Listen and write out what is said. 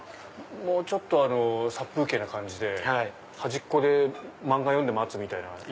もうちょっと殺風景な感じで端で漫画読んで待つみたいな。